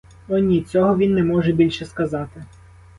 О ні, цього він не може більше сказати.